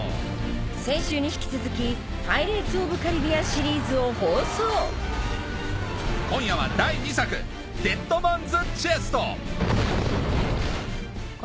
先週に引き続き『パイレーツ・オブ・カリビアン』シリーズを放送今夜は第２作ハァハァウィル！